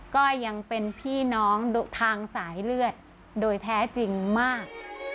ก็ยังเป็นพี่น้องทางสายเลือดโดยแท้จริงมาก